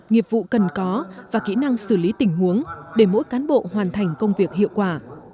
nghiệp vụ cần có và kỹ năng xử lý tình huống để mỗi cán bộ hoàn thành công việc hiệu quả